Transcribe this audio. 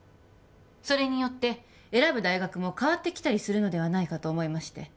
それによって選ぶ大学も変わってきたりするのではないかと思いまして